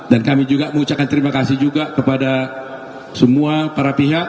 dan kami juga mengucapkan terima kasih kepada semua para pihak